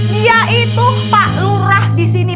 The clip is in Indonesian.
dia itu pak lurah di sini